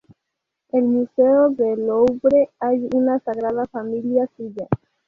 El Museo del Louvre hay una "Sagrada familia" suya.